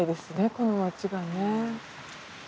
この街がね。